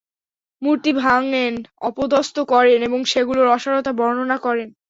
মূর্তি ভাঙ্গেন, অপদস্ত করেন এবং সেগুলোর অসারতা বর্ণনা করেন।